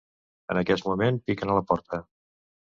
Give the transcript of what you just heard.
En aquest moment piquen a la porta.